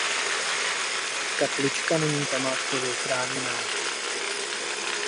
Kaplička není památkově chráněná.